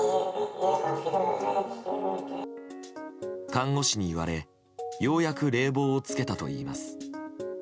看護師に言われようやく冷房をつけたといいます。